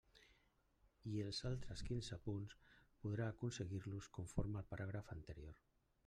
I els altres quinze punts podrà aconseguir-los conforme al paràgraf anterior.